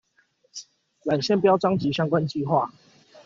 纜線標章及相關計畫